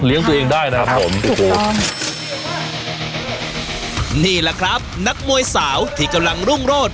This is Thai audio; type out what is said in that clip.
เลี้ยงตัวเองได้นะครับผมครับถูกล้อมนี่แหละครับนักมวยสาวที่กำลังรุ่งโรด